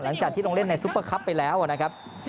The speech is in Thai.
เล่นในซุปเปอร์คับไปแล้วนะครับ